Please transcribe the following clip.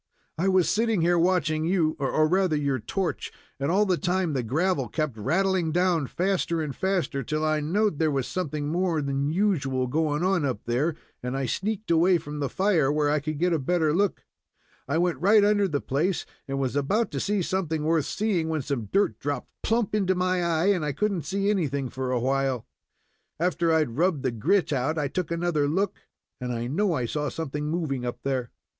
"I was sitting here watching you, or rather your torch, and all the time the gravel kept rattling down faster and faster, till I knowed there was something more than usual going on up there, and I sneaked away from the fire, where I could get a better look. I went right under the place, and was about to see something worth seeing, when some dirt dropped plump into my eye, and I couldn't see anything for a while. After I had rubbed the grit out I took another look, and I know I saw something moving up there."